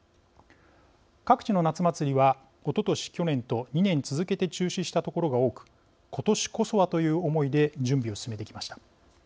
各地の夏祭りはおととし、去年と２年続けて中止した所が多く今年こそはという思いで準備を進めてきました。